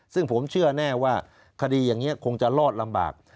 ซึ่งผมเชื่อแน่ว่าคดีอย่างนี้คงจะรอดลำบาก